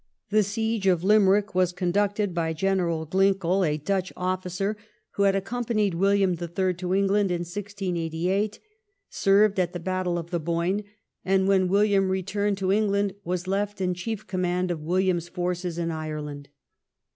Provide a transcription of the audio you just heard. The siege of Limerick was conducted by General GinckeU, 206 THE KEIGN OF QUEEN ANNE. ch. xxt. a Dutch officer, who had accompanied William the Third to England in 1688, served at the battle of the Boyne, and when William returned to England was left in chief command of WiUiam's forces in Ireland.